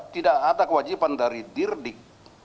tidak ada kewajiban dari dirdik